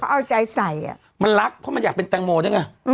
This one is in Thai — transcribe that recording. เพราะเอาใจใส่อะมันรักเพราะมันอยากเป็นแตงโมใช่ไหม